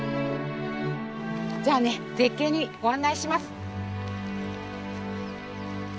じゃあね絶景にご案内します。